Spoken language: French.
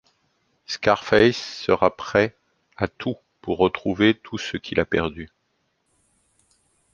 Scarface sera prêt à tout pour retrouver tout ce qu'il a perdu...